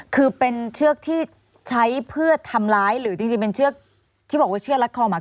คือเป็นเชือกที่ใช้เพื่อทำร้ายหรือจริงเป็นเชือกที่บอกว่าเชือกรัดคอมอ่ะ